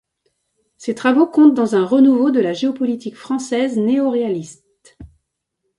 Ses travaux comptent dans un renouveau de la géopolitique française néo-réaliste.